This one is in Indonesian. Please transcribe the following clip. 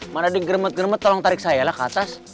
mana digremet germet tolong tarik saya lah ke atas